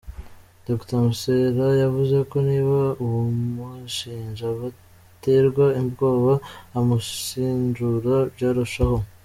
Dr Mugesera yavuze ko niba abamushinja baterwa ubwoba, abamushinjura byarushaho.